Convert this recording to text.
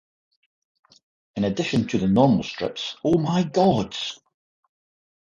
In addition to the normal strips Oh My Gods!